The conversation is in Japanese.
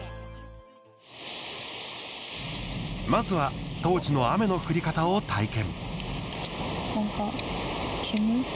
まずは、当時の雨の降り方を体験。